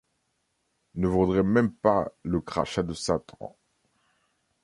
Ne vaudrait même pas le crachat de Satan !